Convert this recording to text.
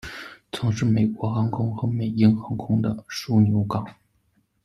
曾是美国航空和美鹰航空的枢杻港。